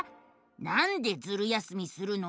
「なんでズル休みするの？